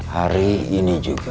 hari ini juga